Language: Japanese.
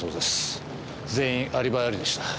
全員アリバイありでした。